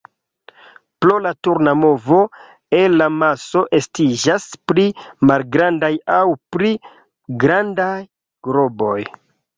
Pro la turna movo, el la maso estiĝas pli malgrandaj aŭ pli grandaj globoj.